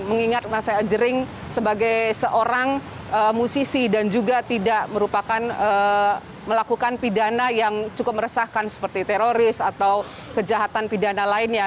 mengingat jering sebagai seorang musisi dan juga tidak merupakan melakukan pidana yang cukup meresahkan seperti teroris atau kejahatan pidana lainnya